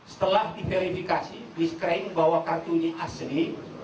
setelah diverifikasi disklaim bahwa kartunya asli